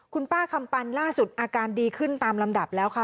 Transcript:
คุณป้าคำปันล่าสุดอาการดีขึ้นตามลำดับแล้วค่ะ